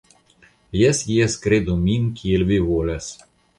Jes, jes, kredu min kiel vi volas.